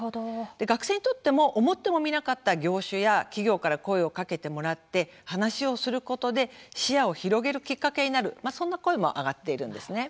学生にとっても思ってもみなかった業種や企業から声をかけてもらって話をすることで視野を広げるきっかけになるそんな声も挙がっているんです。